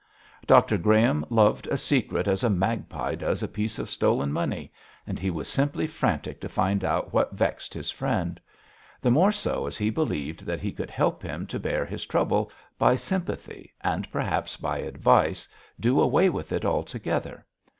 Dr Graham loved a secret as a magpie does a piece of stolen money, and he was simply frantic to find out what vexed his friend; the more so as he believed that he could help him to bear his trouble by sympathy, and perhaps by advice do away with it altogether.